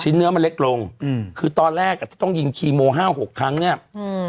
เนื้อมันเล็กลงอืมคือตอนแรกอ่ะที่ต้องยิงคีโมห้าหกครั้งเนี้ยอืม